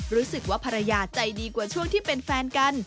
รู้สึกว่าภรรยาใจดีกว่าช่วงที่เป็นแฟนกัน